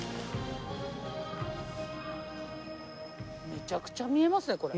めちゃくちゃ見えますねこれ。